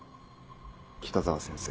北澤先生。